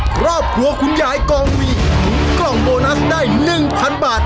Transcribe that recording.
ครอบครัวของคุณยายกองมีด้วยกล้องโบนัสได้๑พันบาท